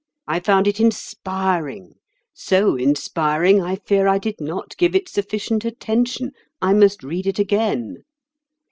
I found it inspiring—so inspiring, I fear I did not give it sufficient attention. I must read it again."